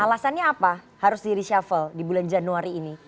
alasannya apa harus di reshuffle di bulan januari ini